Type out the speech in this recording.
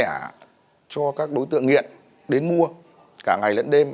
không những bán lẻ cho các đối tượng nghiện đến mua cả ngày lẫn đêm